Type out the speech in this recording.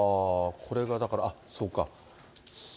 これがだから、あっ、そうか。